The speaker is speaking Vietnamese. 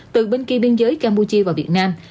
từ bên kia biên giới campuchia và việt nam